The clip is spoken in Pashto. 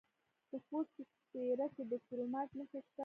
د خوست په سپیره کې د کرومایټ نښې شته.